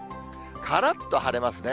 からっと晴れますね。